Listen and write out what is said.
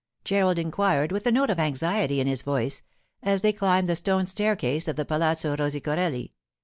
Gerald inquired, with a note of anxiety in his voice, as they climbed the stone staircase of the Palazzo Rosicorelli.